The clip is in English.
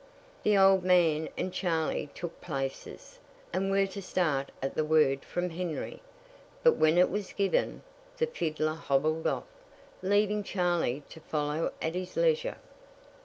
The old man and Charley took places, and were to start at the word from Henry. But when it was given, the fiddler hobbled off, leaving Charley to follow at his leisure.